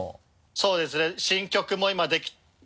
そうですね新曲も今できて。